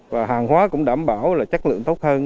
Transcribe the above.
và hàng hóa cũng đảm bảo là chất lượng tốt hơn